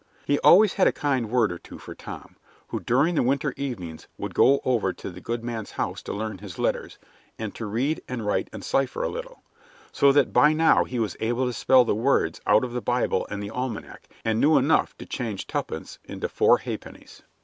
He always had a kind word or two for Tom, who during the winter evenings would go over to the good man's house to learn his letters, and to read and write and cipher a little, so that by now he was able to spell the words out of the Bible and the almanac, and knew enough to change tuppence into four ha'pennies.